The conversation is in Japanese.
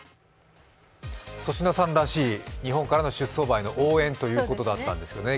粗品さんらしい日本から出走馬への応援ということだったんですね。